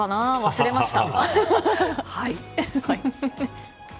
忘れました。